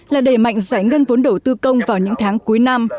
là đẩy mạnh giải ngân vốn đầu tư công vào những tháng cuối năm